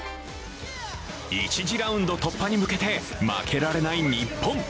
１次ラウンド突破に向けて負けられない日本。